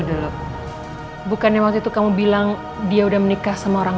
apakah kamu bener bener titan